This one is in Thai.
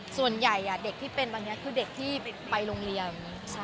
ส่วนใหญ่เด็กที่เป็นตอนนี้คือเด็กที่ไปโรงเรียน